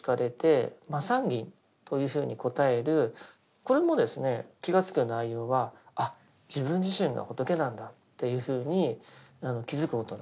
これもですね気が付くような内容はあっ自分自身が仏なんだっていうふうに気付くことなんです。